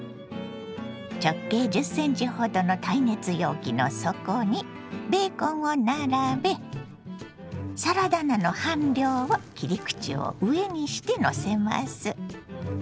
直径１０ｃｍほどの耐熱容器の底にベーコンを並べサラダ菜の半量を切り口を上にしてのせます。